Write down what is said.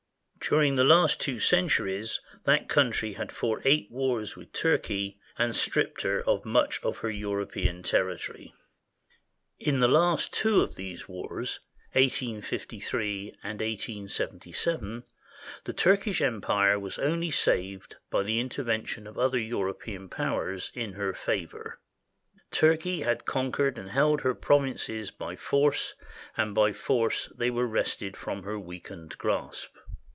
During the last two centuries that country has fought eight wars with Turkey and stripped her of much of her European territory. In the last two of these wars (1853 and 1877) the Turkish Empire was only saved by the intervention of the other European powers in her favor. Turkey had conquered and held her provinces by force, and by force they were wrested from her weakened grasp.